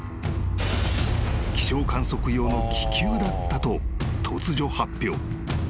［気象観測用の気球だったと突如発表］